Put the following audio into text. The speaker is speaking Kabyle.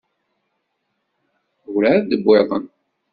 Ur εad d-wwiḍen.